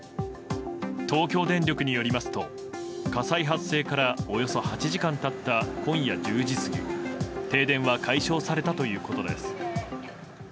東京電力によりますと火災発生からおよそ８時間経った今夜１０時過ぎ停電は解消されたということです。